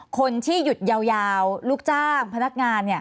คนที่หยุดยาวลูกจ้างพนักงาน